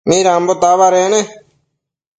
Midambo tabadec ne?